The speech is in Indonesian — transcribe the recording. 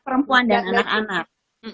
perempuan dan anak